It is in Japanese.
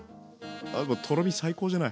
ああもうとろみ最高じゃない。